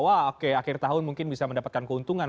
wah oke akhir tahun mungkin bisa mendapatkan keuntungan